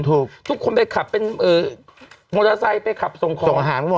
ทุกคนไปขับเป็นมอเตอร์ไซค์ไปขับส่งของ